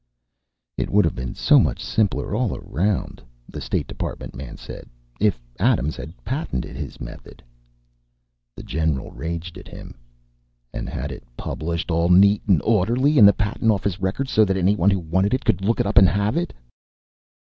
"It would have been so much simpler all around," the state department man said, "if Adams had patented his method." The general raged at him. "And had it published, all neat and orderly, in the patent office records so that anyone who wanted it could look it up and have it?"